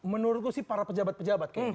menurutku sih para pejabat pejabat kayak gini